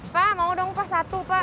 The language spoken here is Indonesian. pak mau dong pak satu pak